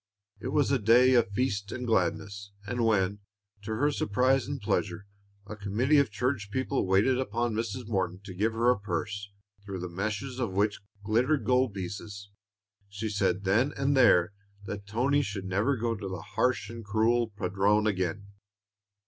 It was a day of feast and gladness; and when, to her surprise and pleasure, a committee of church people waited upon Mrs. Morton to give her a purse, through the meshes of which glittered gold pieces, she said then and there that Toni should never go to the harsh and cruel Padrone again.